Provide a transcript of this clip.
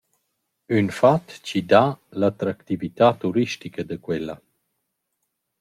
Ün fat chi dà l’attractività turistica a quella.